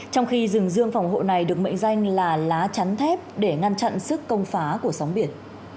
trong khi rừng dương phòng hộ này được mệnh danh là lá chắn thép để ngăn chặn sức công phá của sóng biển